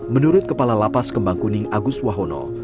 menurut kepala lapas kembang kuning agus wahono